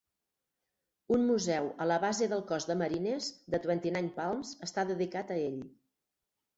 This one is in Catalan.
Un museu a la base del Cos de Marines de Twentynine Palms està dedicat a ell.